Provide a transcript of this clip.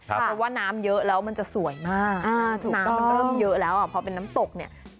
เพราะว่าน้ำเยอะแล้วมันจะสวยมากน้ำมันเริ่มเยอะแล้วพอเป็นน้ำตกเนี่ย